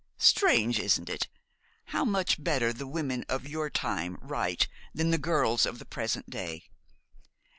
Strange isn't it? how much better the women of your time write than the girls of the present day!